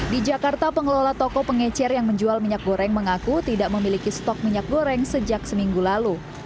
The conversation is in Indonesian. di jakarta pengelola toko pengecer yang menjual minyak goreng mengaku tidak memiliki stok minyak goreng sejak seminggu lalu